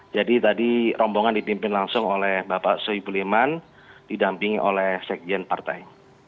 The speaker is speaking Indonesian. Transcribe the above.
jadi tadi rombongan ditimpin langsung oleh bapak sohibur liman didampingi oleh sekjen partai